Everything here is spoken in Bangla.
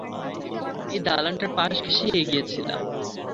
এই দালানটার পাশ ঘেঁষে এগিয়েছিলাম।